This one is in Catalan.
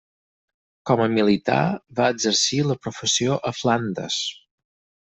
Com a militar va exercir la professió a Flandes.